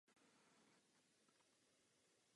Další góly zaznamenal v italském poháru a Lize mistrů.